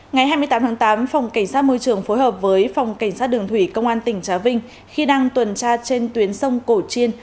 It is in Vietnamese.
ngày hai mươi tám tháng tám phòng cảnh sát môi trường phối hợp với phòng cảnh sát đường thủy công an tỉnh trà vinh khi đang tuần tra trên tuyến sông cổ chiên